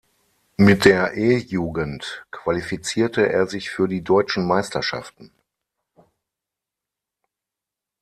Mit der E-Jugend qualifizierte er sich für die Deutschen Meisterschaften.